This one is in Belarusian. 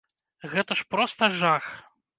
Гэта ж проста жах!